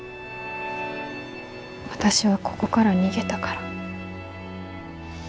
私はここから逃げたから。